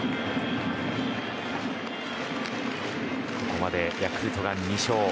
ここまでヤクルト２勝。